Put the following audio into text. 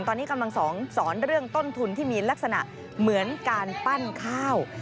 ตอนนี้กำลังสอนเรื่องต้นทุนที่มีลักษณะเหมือนการปั้นข้าว